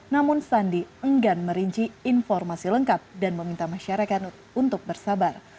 namun sandi enggan merinci informasi lengkap dan meminta masyarakat untuk bersabar